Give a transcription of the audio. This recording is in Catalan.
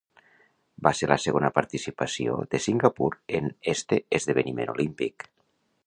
Va ser la segona participació de Singapur en este esdeveniment olímpic.